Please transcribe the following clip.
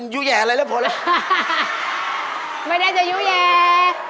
ยูแหล่ละพอเลยไม่ได้จะยูแหล่